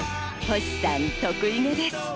星さん得意げです。